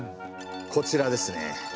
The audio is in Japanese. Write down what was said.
こちらですね。